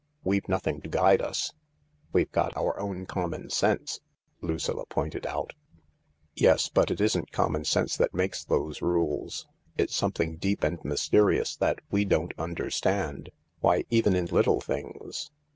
We've nothing to guide us." " We've got our own common sense," Lucilla pointed out. " Yes, but it isn't common sense that makes those rules. It's something deep and mysterious that we don't under stand. Why, even in little things